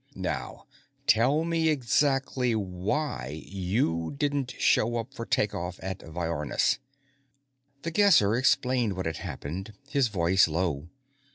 "Now, tell me exactly why you didn't show up for take off on Viornis." The Guesser explained what had happened, his voice low.